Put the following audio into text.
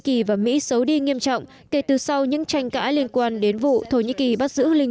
kỳ và mỹ xấu đi nghiêm trọng kể từ sau những tranh cãi liên quan đến vụ thổ nhĩ kỳ bắt giữ linh